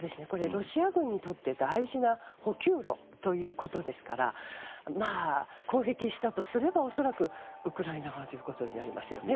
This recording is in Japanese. ロシア軍にとって大事な補給路ということですから攻撃したとすれば、恐らくウクライナ側ということになりますよね。